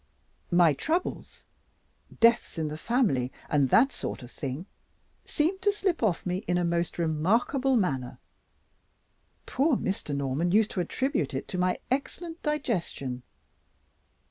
My troubles deaths in the family, and that sort of thing seem to slip off me in a most remarkable manner. Poor Mr. Norman used to attribute it to my excellent digestion.